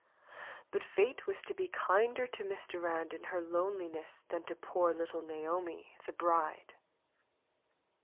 But fate was to be kinder to Miss Durand in her lone liness than to poor little Naomi, the bride.